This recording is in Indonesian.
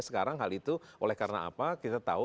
sekarang hal itu oleh karena apa kita tahu